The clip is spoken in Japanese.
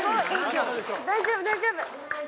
大丈夫大丈夫。